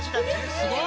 すごい！